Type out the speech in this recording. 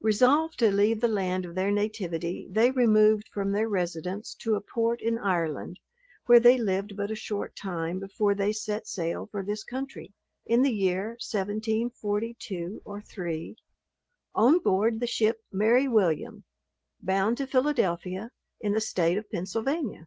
Resolved to leave the land of their nativity they removed from their residence to a port in Ireland, where they lived but a short time before they set sail for this country, in the year 1742 or 3 on board the ship Mary William, bound to Philadelphia, in the state of Pennsylvania.